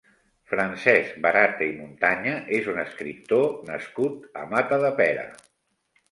Francesc Barata i Muntanya és un escriptor nascut a Matadepera.